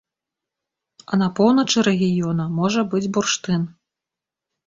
А на поўначы рэгіёна можа быць бурштын.